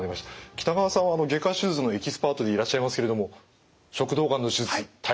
北川さんは外科手術のエキスパートでいらっしゃいますけれども食道がんの手術大変ですか？